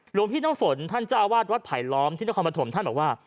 หลวงพี่น้ำฝนท่านเจ้าอาวาสวัดไผลล้อมที่นครปฐมท่านบอกว่า